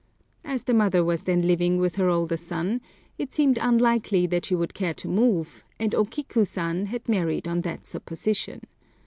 As the mother was then living with her older son, it seemed unlikely that she would care to move, and O Kiku San had married on that supposition.